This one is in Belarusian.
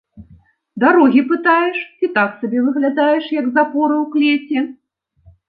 Дарогі пытаеш ці так сабе выглядаеш, як запоры ў клеці?